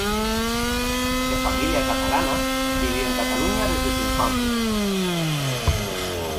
De familia catalana, vivió en Cataluña desde su infancia.